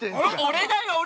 ◆俺だよ俺！